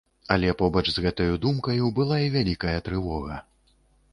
Але побач з гэтаю думкаю была і вялікая трывога.